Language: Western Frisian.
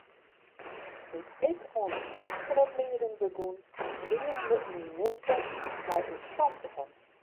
Doe't ik oan de prysteroplieding begûn, wiene we yn myn bisdom mei ús santigen.